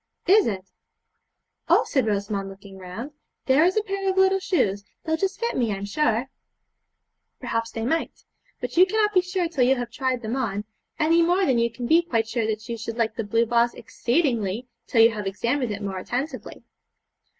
'Is, it? Oh,' said Rosamond looking round 'there is a pair of little shoes; they'll just fit me, I'm sure.' 'Perhaps they might, but you cannot be sure till you have tried them on, any more than you can be quite sure that you should like the blue vase exceedingly till you have examined it more attentively.'